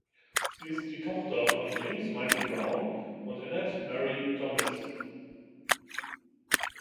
Sie ist die Tochter von James Michael Brown und Annette Marie Thomas.